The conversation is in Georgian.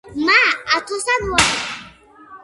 მა ათოსან ვორექ